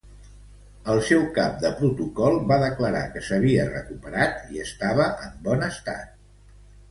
El seu cap de protocol va declarar que s'havia recuperat i estava en bon estat.